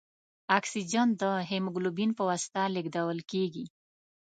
اکسیجن د هیموګلوبین په واسطه لېږدوال کېږي.